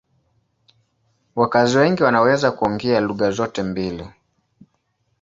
Wakazi wengi wanaweza kuongea lugha zote mbili.